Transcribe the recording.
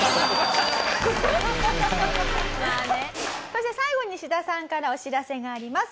そして最後に志田さんからお知らせがあります。